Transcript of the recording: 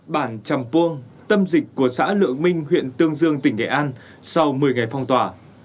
bản chầm puông tâm dịch của xã lượng minh huyện tương dương tỉnh nghệ an sau một mươi ngày phong tỏa